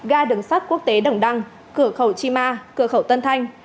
ga đường sắt quốc tế đồng đăng cửa khẩu chima cửa khẩu tân thanh